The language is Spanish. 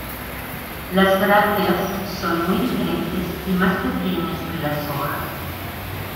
Las brácteas son muy diferentes y más pequeñas que las hojas.